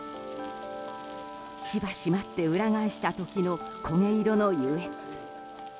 しばし待って裏返した時の焦げ色の愉悦。